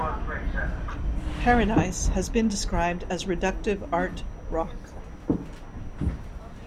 "Paradise" has been described as reductive art rock.